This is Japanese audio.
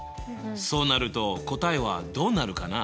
そうなると答えはどうなるかな？